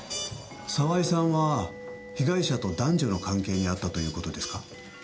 澤井さんは被害者と男女の関係にあったという事ですか？